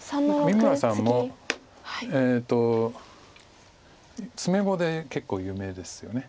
三村さんも詰碁で結構有名ですよね。